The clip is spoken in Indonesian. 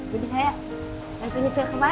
jadi saya ngasih misil ke mari